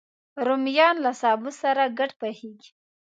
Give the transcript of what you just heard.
رومیان له سابه سره ګډ پخېږي